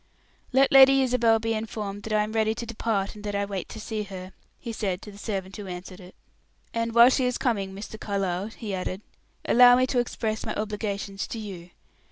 "Let Lady Isabel be informed that I am ready to depart, and that I wait to see her," he said to the servant who answered it. "And while she is coming, Mr. Carlyle," he added, "allow me to express my obligations to you.